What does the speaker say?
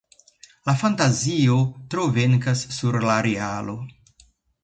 La fantazio tro venkas sur la realo.